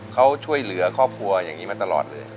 เขาช่วยเหลือครอบครัวอย่างนี้มาตลอดเลย